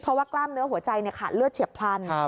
เพราะว่ากล้ามเนื้อหัวใจขาดเลือดเฉียบพลัน